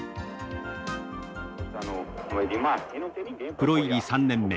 プロ入り３年目。